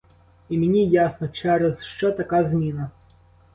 І мені ясно, через що така зміна.